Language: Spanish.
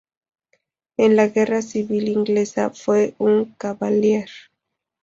En la Guerra civil inglesa fue un cavalier.